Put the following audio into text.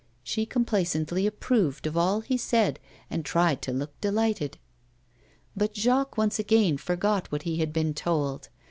She complaisantly approved of all he said and tried to look delighted. But Jacques once again forgot what he had been told.